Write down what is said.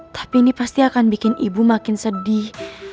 tapi ini pasti akan bikin ibu makin sedih